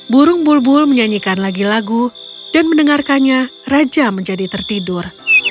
burung bulbul menyanyikan lagi lagu dan mendengarkannya raja menjadi tertidur